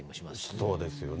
そうですよね。